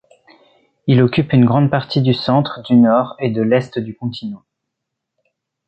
Il occupe une grande partie du centre, du nord et de l'est du continent.